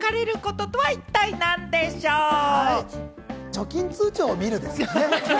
貯金通帳を見るですね。